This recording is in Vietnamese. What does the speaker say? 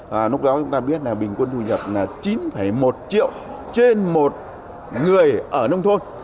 và lúc đó chúng ta biết là bình quân thu nhập là chín một triệu trên một người ở nông thôn